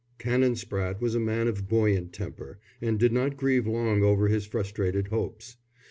XIX Canon Spratte was a man of buoyant temper, and did not grieve long over his frustrated hopes.